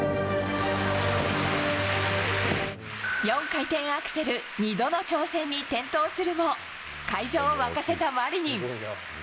４回転アクセル２度の挑戦に転倒するも、会場を沸かせたマリニン。